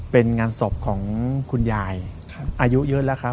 เป็นงานศพของคุณยายอายุเยอะแล้วครับ